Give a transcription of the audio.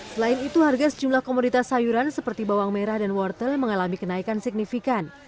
selain itu harga sejumlah komoditas sayuran seperti bawang merah dan wortel mengalami kenaikan signifikan